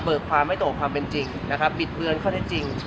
เบิกความให้โตความเป็นจริงนะครับบิดเบือนเข้าในจริง